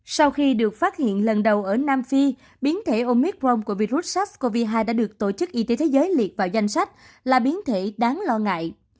sau khi được phát hiện lần đầu ở nam phi biến thể omicron của virus sars cov hai đã được tổ chức y tế thế giới liệt vào danh sách là biến thể đáng lo ngại